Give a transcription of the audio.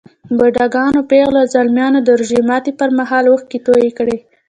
بوډاګانو، پېغلو او ځلمیانو د روژه ماتي پر مهال اوښکې توی کړې.